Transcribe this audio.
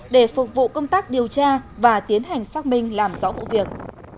để phục vụ công tác điều tra và tiến hành xác minh làm rõ vụ việc